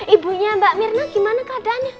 ibunya mbak mirna gimana keadaannya